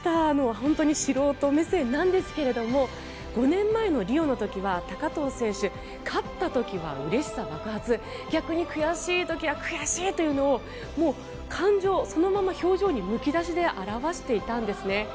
本当に素人目線なんですが５年前のリオの時は高藤選手勝った時はうれしさ爆発逆に悔しい時は悔しいというのをもう感情そのまま表情にむき出しで表していたんですね。